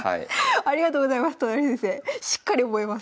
ありがとうございます